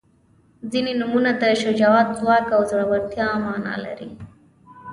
• ځینې نومونه د شجاعت، ځواک او زړورتیا معنا لري.